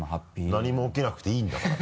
何も起きなくていいんだから。